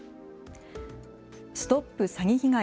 ＳＴＯＰ詐欺被害！